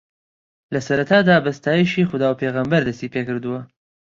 لەسەرەتادا بە ستایشی خودا و پێغەمبەر دەستی پێکردووە